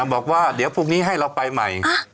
บอกว่าเดี๋ยวพรุ่งนี้ให้เราไปใหม่